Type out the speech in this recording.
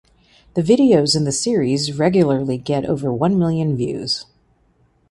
The videos in the series regularly get over one million views.